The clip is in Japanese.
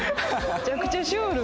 めちゃくちゃシュール。